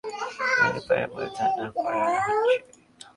নালার গ্যাসে অসুস্থ হয়ে শাহীন মারা যেতে পারে বলে ধারণা করা হচ্ছে।